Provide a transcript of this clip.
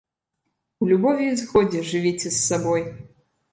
У любові і згодзе жывіце з сабой!